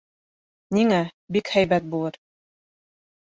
— Ниңә, бик һәйбәт булыр.